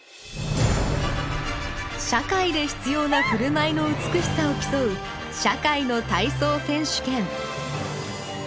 社会で必要な振る舞いの美しさを競う「社会の体操選手権」